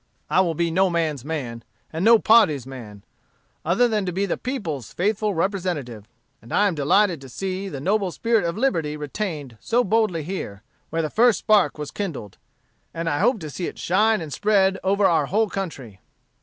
I will be no man's man, and no party's man, other than to be the people's faithful representative: and I am delighted to see the noble spirit of liberty retained so boldly here, where the first spark was kindled; and I hope to see it shine and spread over our whole country.